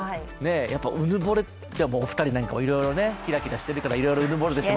やっぱりうぬぼれって、お二人何かキラキラしているからいろいろうぬぼれてしまう。